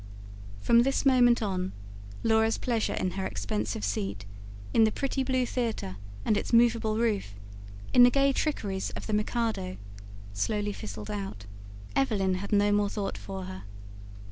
From this moment on, Laura's pleasure in her expensive seat, in the pretty blue theatre and its movable roof, in the gay trickeries of the MIKADO, slowly fizzled out. Evelyn had no more thought for her.